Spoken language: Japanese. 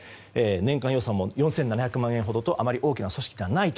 年間予算も４７００万円ほどとあまり大きな組織ではない。